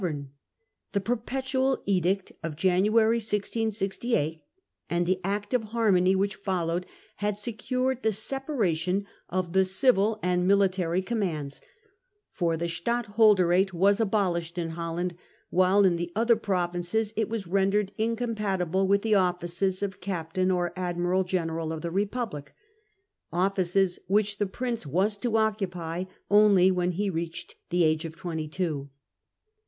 Orange. The 'Perpetual Edict' of January 1668, and the 'Act of Harmony' which followed, had secured the separation* of the civil and military commands ; for the Stadtholderatewas abolished in Holland, while in the other provinces it was rendered incompatible with the offices of Captain or Admiral General of the Republic— offices which the Prince was to occupy only when he reached the age of twenty two.